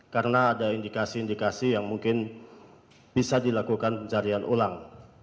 karena ada indikasi indikasi yang mungkin bisa dilakukan pencarian ulang